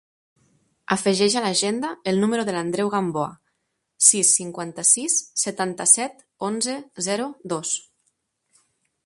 Afegeix a l'agenda el número de l'Andreu Gamboa: sis, cinquanta-sis, setanta-set, onze, zero, dos.